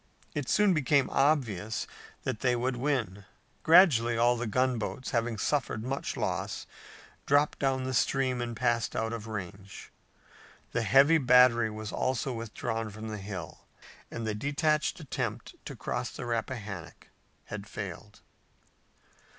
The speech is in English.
It soon became obvious that they would win. Gradually all of the gunboats, having suffered much loss, dropped down the stream and passed out of range. The heavy battery was also withdrawn from the hill and the detached attempt to cross the Rappahannock had failed.